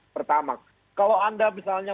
pertama kalau anda misalnya